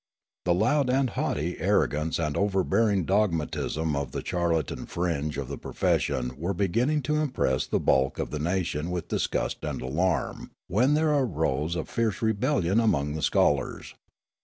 The loud and haughty arrogance and overbearing dogmatism of the charlatan fringe of the profession were beginning to impress the bulk of the nation with disgust and alarm, when there arose a fierce rebellion among the scholars.